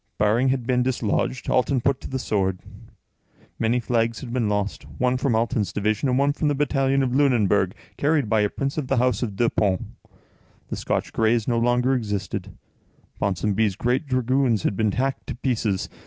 Baring had been dislodged, Alten put to the sword. Many flags had been lost, one from Alten's division, and one from the battalion of Lunenburg, carried by a prince of the house of Deux Ponts. The Scotch Grays no longer existed; Ponsonby's great dragoons had been hacked to pieces.